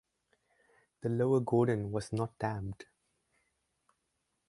The lower Gordon was not dammed.